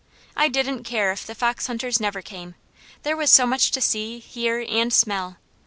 I didn't care if the fox hunters never came, there was so much to see, hear, and smell.